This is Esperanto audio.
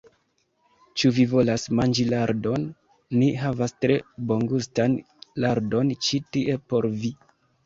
Ĉu vi volas manĝi lardon? Ni havas tre bongustan lardon ĉi tie por vi.